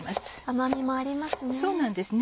甘みもありますね。